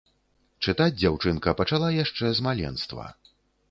Чытаць дзяўчынка пачала яшчэ з маленства.